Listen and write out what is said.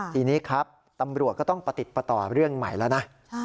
ทีนี้ครับตำรวจก็ต้องประติดประต่อเรื่องใหม่แล้วนะ